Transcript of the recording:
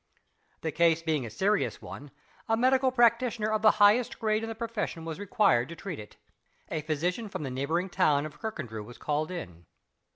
The case being a serious one, a medical practitioner of the highest grade in the profession was required to treat it. A physician from the neighboring town of Kirkandrew was called in.